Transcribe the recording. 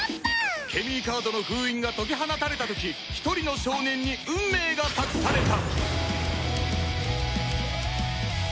ケミーカードの封印が解き放たれた時一人の少年に運命が託された